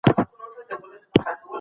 لامبو د بدن لپاره بشپړ ورزش دی.